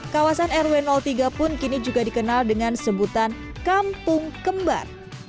kawasan rw tiga pun kini juga dikenal dengan sebutan kampung kembar